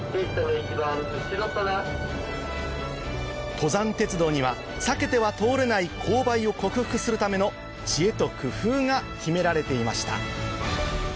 登山鉄道には避けては通れない勾配を克服するための知恵と工夫が秘められていました